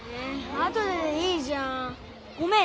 あとででいいじゃん。ごめん。